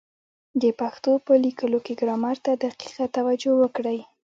د پښتو په لیکلو کي ګرامر ته دقیقه توجه وکړئ!